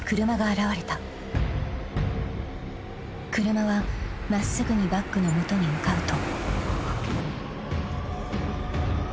［車は真っすぐにバッグの元に向かうと］